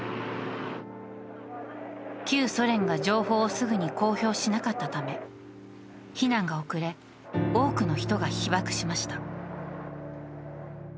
旧ソ連が情報をすぐに公表しなかったため避難が遅れ、多くの人が被ばくしました。